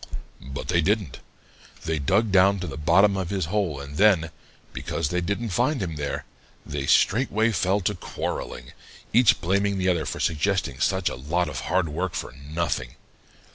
"But they didn't. They dug down to the bottom of his hole and then, because they didn't find him there, they straightway fell to quarreling, each blaming the other for suggesting such a lot of hard work for nothing.